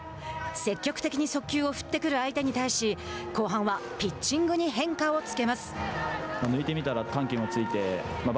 積極的に速球を振ってくる相手に対し後半はピッチングに変化をつけます。